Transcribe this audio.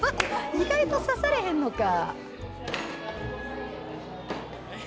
意外と刺されへんのか。